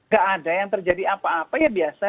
gak ada yang terjadi apa apa ya biasa